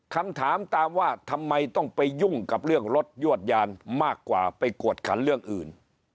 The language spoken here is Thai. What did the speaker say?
คำถามตามว่าทำไมต้องไปยุ่งกับเรื่องรถยวดยานมากกว่าไปกวดขันเรื่องอื่น